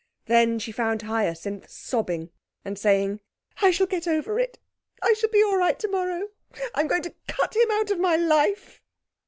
Then she found Hyacinth sobbing, and saying 'I shall get over it. I shall be all right tomorrow. I'm going to cut him out of my life!'